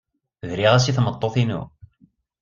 Briɣ-as i tmeṭṭut-inu.